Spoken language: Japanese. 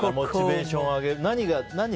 モチベーションを上げるために。